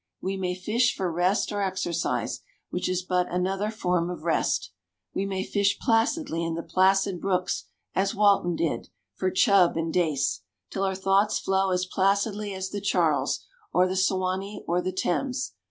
We may fish for rest or exercise, which is but another form of rest. We may fish placidly in the placid brooks as Walton did, for chub and dace, till our thoughts flow as placidly as the Charles, or the Suwanee, or the Thames.